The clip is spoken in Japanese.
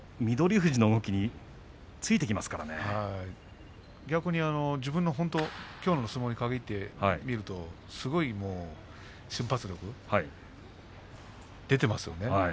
富士のこの動きにきょうの相撲に限って見ると、すごい瞬発力出ていますよね。